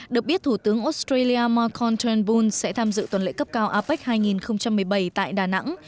được biết thủ tướng australia mark contern boone sẽ tham dự tuần lễ cấp cao apec hai nghìn một mươi bảy tại đà nẵng